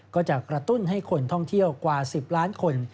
ก็จะกระตุ้นให้คนท่องเที่ยวกว่า๑๐ล้านคน